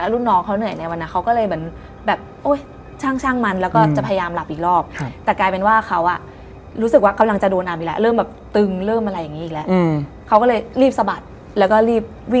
แล้วก็เวลาจะไปเอานังสือเนี่ย